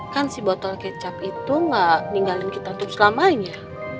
kan si botol kecap itu gak ninggalin kita untuk selamanya